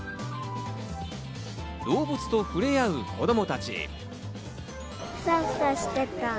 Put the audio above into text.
動物と触れ合う子供たち。